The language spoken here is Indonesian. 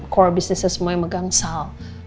core business semua yang memegang sal